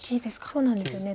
そうなんですよね